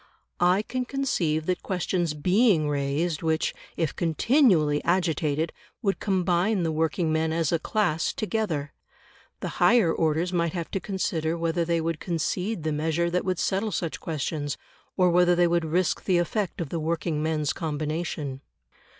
I can conceive that questions BEING raised which, if continually agitated, would combine the working men as a class together, the higher orders might have to consider whether they would concede the measure that would settle such questions, or whether they would risk the effect of the working men's combination.